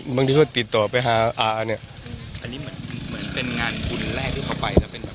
บางทีเขาติดต่อไปหาอาเนี่ย